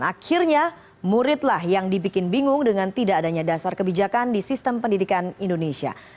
akhirnya murid lah yang dibikin bingung dengan tidak adanya dasar kebijakan di sistem pendidikan indonesia